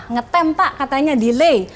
ngetempa katanya delay